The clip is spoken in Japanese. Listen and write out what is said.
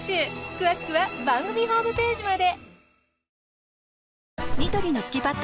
くわしくは番組ホームページまで。